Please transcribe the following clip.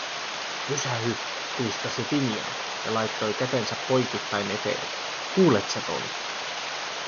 "Pysähy", kuiskasi Finian ja laittoi kätensä poikittain eteeni, "kuuletsä ton?"